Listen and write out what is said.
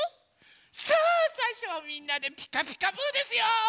さあさいしょはみんなで「ピカピカブ！」ですよ。